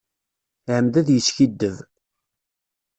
Iεemmed ad d-yeskiddeb.